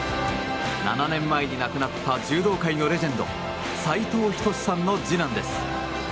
７年前に亡くなった柔道界のレジェンド斉藤仁さんの次男です。